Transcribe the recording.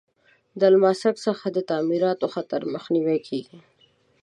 د الماسک څخه د تعمیراتو خطر مخنیوی کیږي.